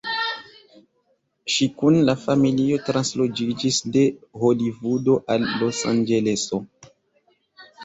Ŝi kun la familio transloĝiĝis de Holivudo al Losanĝeleso.